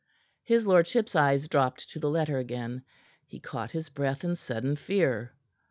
His lordship's eyes dropped to the letter again. He caught his breath in sudden fear.